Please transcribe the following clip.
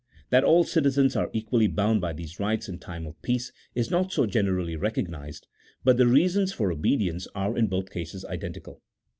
That all citizens are equally bound by these rights in time of peace, is not so generally recognized, but the reasons for obedience are in both cases, identical.